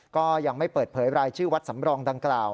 ก็ยังไม่เปิดเผยรายชื่อวัดสำรองดังกล่าว